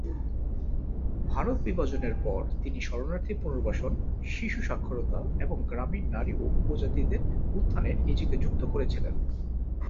ভারত-বিভাজনের পর, তিনি শরণার্থী পুনর্বাসন, শিশু সাক্ষরতা এবং গ্রামীণ নারী ও উপজাতিদের উত্থানে নিজেকে নিযুক্ত করেছিলেন।